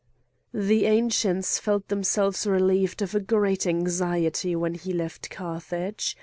The Ancients felt themselves relieved of a great anxiety, when he left Carthage.